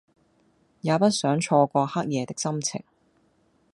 也不想錯過黑夜的心情